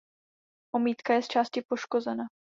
Omítka je zčásti poškozena.